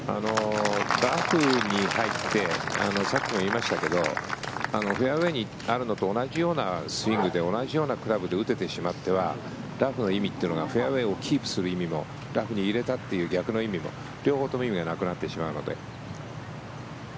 ラフに入ってさっきも言いましたけどフェアウェーにあるのと同じようなスイングで同じようなクラブで打ててしまってはラフの意味というのがフェアウェーをキープするという意味でもラフに入れたっていう逆の意味も両方とも意味がなくなってしまうので。